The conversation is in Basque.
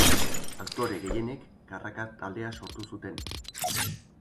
Aktore gehienek Karraka taldea sortu zuten.